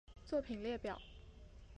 作品列表